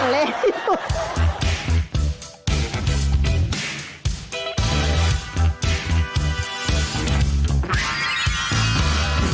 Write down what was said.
เล่ที่สุด